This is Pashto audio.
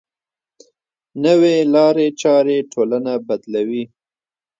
نوې لارې چارې ټولنه بدلوي.